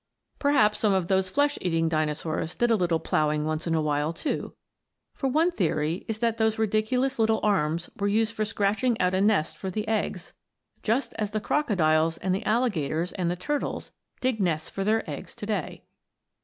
Perhaps some of those flesh eating Dinosaurs did a little ploughing once in a while, too; for one theory is that those ridiculous little arms were used for scratching out a nest for the eggs, just as the crocodiles and the alligators and the turtles dig nests for their eggs to day.